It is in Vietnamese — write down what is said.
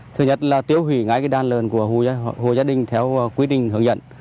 thứ nhất là tiêu hủy ngãi cái đàn lợn của hồ gia đình theo quy định hướng dẫn